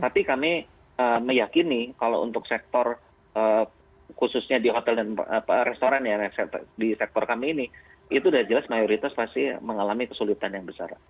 tapi kami meyakini kalau untuk sektor khususnya di hotel dan restoran ya di sektor kami ini itu udah jelas mayoritas pasti mengalami kesulitan yang besar